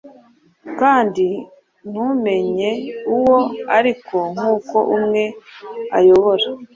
Kandi ntumenye uwo, ariko nkuko umwe ayobora